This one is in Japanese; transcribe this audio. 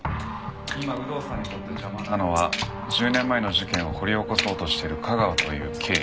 今有働さんにとって邪魔なのは１０年前の事件を掘り起こそうとしてる架川という刑事。